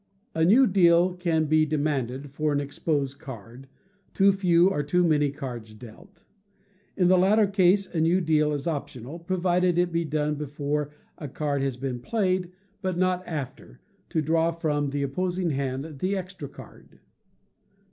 A new deal can be demanded for an exposed card, too few or too many cards dealt; in the latter case, a new deal is optional, provided it be done before a card has been played, but not after, to draw from the opposing hand the extra card.